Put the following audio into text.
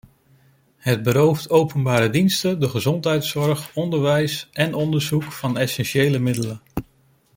Het berooft openbare diensten, de gezondheidszorg, onderwijs en onderzoek van essentiële middelen.